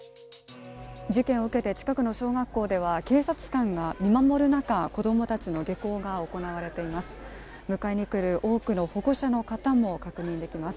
事件を受けて近くの小学校では警察官が見守る中、子供たちの下校が行われています。